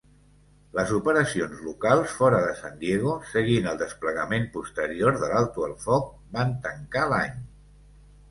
Les operacions locals fora de San Diego, seguint el desplegament posterior de l'alto el foc, van tancar l'any.